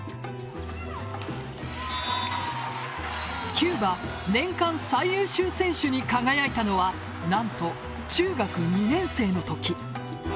キューバ年間最優秀選手に輝いたのは何と、中学２年生の時。